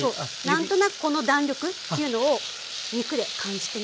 何となくこの弾力というのを肉で感じてみると。